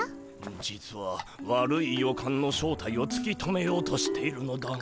実は悪い予感の正体をつき止めようとしているのだが。